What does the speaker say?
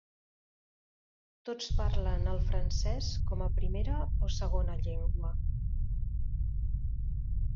Tots parlen el francès com a primera o segona llengua.